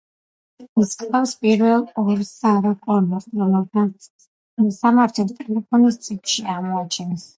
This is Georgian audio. ის კლავს პირველ ორ სარა კონორს რომელთა მისამართებს ტელეფონის წიგნში აღმოაჩენს.